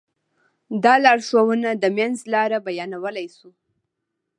دا لارښوونه د منځ لاره بيانولی شو.